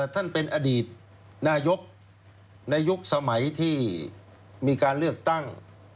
ท่านเป็นอดีตนายกในยุคสมัยที่มีการเลือกตั้ง